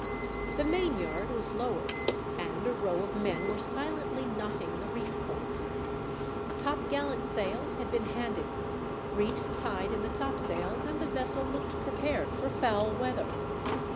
The main yard was lowered and a row of men were silently knot ting the reef points. The topgallant sails had been handed, reefs tied in the topsails, and the vessel looked prepared for foul weather.